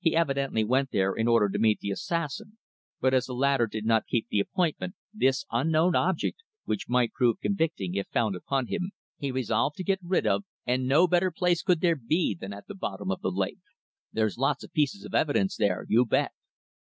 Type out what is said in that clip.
He evidently went there in order to meet the assassin, but as the latter did not keep the appointment, this unknown object, which might prove convicting if found upon him, he resolved to get rid of, and no better place could there be than at the bottom of the lake. There's lots of pieces of evidence there, you bet."